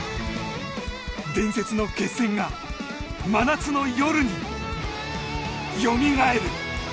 伝説の決戦が真夏の夜によみがえる。